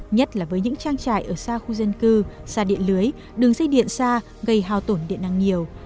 nhất là với những trang trại ở xa khu dân cư xa điện lưới đường dây điện xa gây hào tổn điện năng nhiều